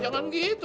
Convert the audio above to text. ya jangan gitu